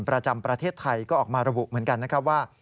ประจำประเทศไทยก็ออกมาระบุเหมือนกันนะครับว่า